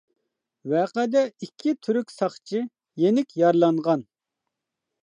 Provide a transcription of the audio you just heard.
ۋەقەدە ئىككى تۈرك ساقچى يېنىك يارىلانغان.